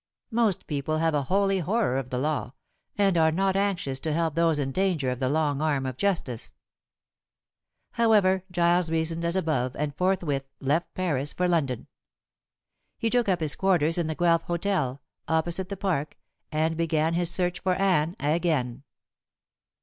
Most people have a holy horror of the law, and are not anxious to help those in danger of the long arm of justice. However, Giles reasoned as above and forthwith left Paris for London. He took up his quarters in the Guelph Hotel, opposite the Park, and began his search for Anne again.